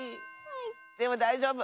でもだいじょうぶ！